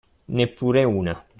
Neppure una.